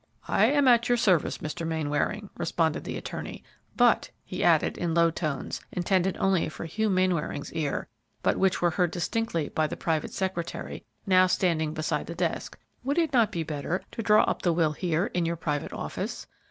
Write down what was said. "I am at your service, Mr. Mainwaring," responded the attorney; "but," he added, in low tones, intended only for Hugh Mainwaring's ear, but which were heard distinctly by the private secretary, now standing beside the desk, "would it not be better to draw up the will here, in your private office?